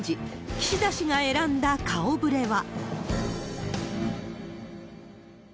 岸田氏が選んだ顔ぶれは。